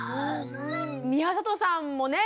宮里さんもね